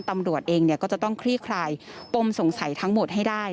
ตำรวจเองก็จะต้องคลี่คลายปมสงสัยทั้งหมดให้ได้